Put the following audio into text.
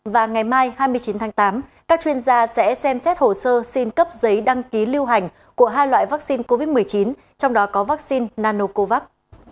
và ngày mai hai mươi chín tháng tám các chuyên gia sẽ xem xét hồ sơ xin cấp giấy đăng ký lưu hành của hai loại vaccine covid một mươi chín trong đó có vaccine nanocovax